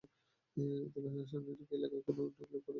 ঈদুল আজহা সামনে রেখে এলাকার অনেক লোক গরু কিনতে খামারেও আসছেন।